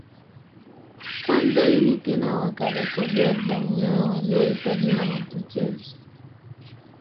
Kwanza Unit nao wakarekodi albamu yao waliyoipa jina la Tucheze